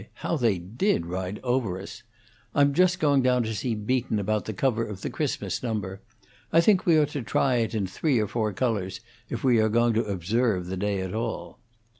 how they did ride over us! I'm just going down to see Beaton about the cover of the Christmas number. I think we ought to try it in three or four colors, if we are going to observe the day at all."